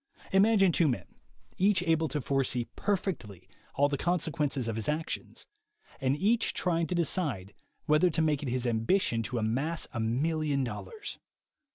Imagine two men, each able to forsee perfectly all the consequences of his actions, and each trying to decide whether to make it his ambition to amass a million dollars.